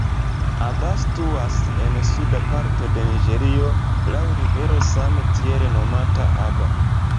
Aba situas en suda parto de Niĝerio laŭ rivero same tiel nomata Aba.